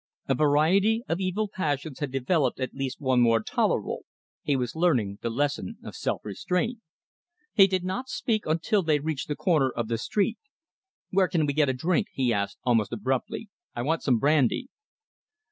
A variety of evil passions had developed one at least more tolerable he was learning the lesson of self restraint. He did not speak until they reached the corner of the street. "Where can we get a drink?" he asked, almost abruptly. "I want some brandy."